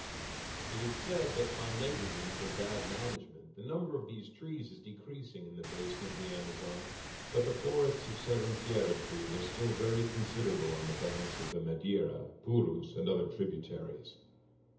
_ It is said that, by negligence or bad management, the number of these trees is decreasing in the basin of the Amazon, but the forests of seringueira trees are still very considerable on the banks of the Madeira, Purus, and other tributaries.